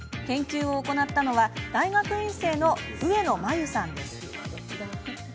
研究を行ったのは大学院生の上野舞夕さんです。